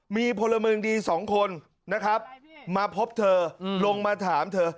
มีพลเมืองดีสองคนนะครับมาพบเธอลงมาถามเธอ